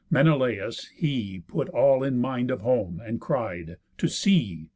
Menelaus, he Put all in mind of home, and cried, To sea.